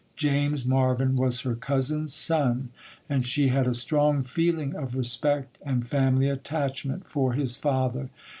James Marvyn was her cousin's son, and she had a strong feeling of respect and family attachment for his father.